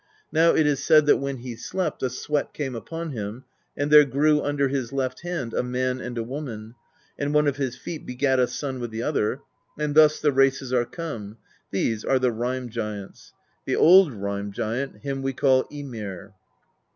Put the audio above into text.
Now it is said that when he slept, a sweat came upon him, and there grew under his left hand a man and a woman, and one of his feet begat a son with the other; and thus the races are come; these are the Rime Giants. The old Rime Giant, him we call Ymir."